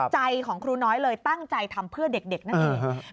ใจของครูน้อยเลยตั้งใจทำเพื่อเด็กนั่นเอง